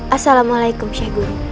assalamualaikum sheikh guru